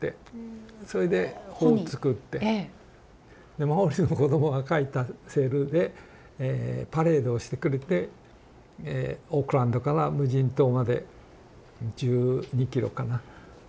でマオリの子どもが描いたセールでパレードをしてくれてオークランドから無人島まで１２キロかなを渡ってくれて。